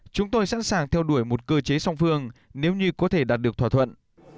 chúng tôi sẵn sàng theo đuổi một cơ chế song phương nếu như có thể đạt được thỏa thuận